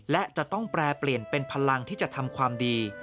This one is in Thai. และจะต้องแปรเปลี่ยนเป็นพลังที่จะทำความดี